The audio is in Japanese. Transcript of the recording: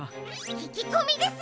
ききこみですね！